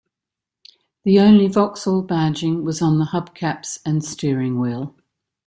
The only Vauxhall badging was on the hub caps and steering wheel.